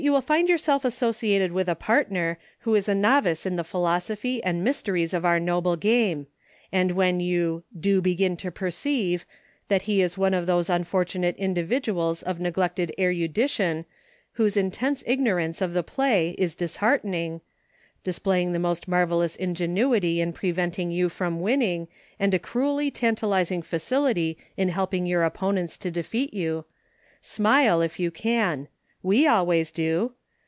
will find yourself associated with a partner, who is a novice in the philosophy and myste ries of our noble game, and when you "do begin to perceive" that he is one of those un fortunate individuals of neglected erudition, whose intense ignorance of the play is dis heartening — displaying the most marvellous ingenuity in preventing you from winning, and a cruelly tantalizing facility in helping your opponents to defeat you — smile, if you can ;— we always do.